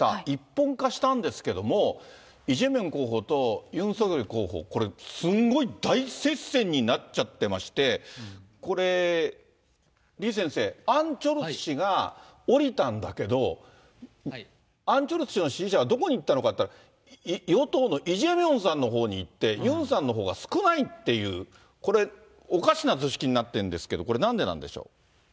一本化したんですけども、イ・ジェミョン候補とユン・ソギョル候補、これ、すんごい大接戦になっちゃってまして、これ、李先生、アン・チョルス氏が降りたんだけど、アン・チョルス氏の支持者はどこに行ったのかっていったら、与党のイ・ジェミョンさんのほうにいって、ユンさんのほうが少ないっていう、これ、おかしな図式になってるんですけど、これ、なんでなんでしょう。